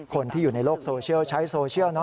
คนที่อยู่ในโลกโซเชียลใช้โซเชียลเนอ